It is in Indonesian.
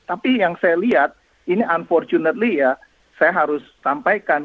tapi yang saya lihat ini unfortunately ya saya harus sampaikan